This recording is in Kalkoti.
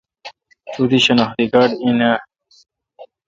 تو دی شناختی کارڈ این اؘ۔